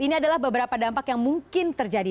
ini adalah beberapa dampak yang mungkin terjadi